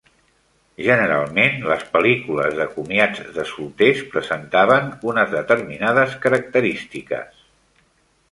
Generalment les pel·lícules de comiats de solters presentaven unes determinades característiques.